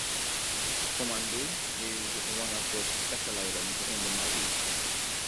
Komandoo is one of the special islands in the Maldives.